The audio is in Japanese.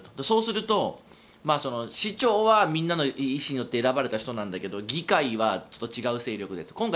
そうすると市長はみんなの意思によって選ばれた人だけれど議会はちょっと違う勢力でと。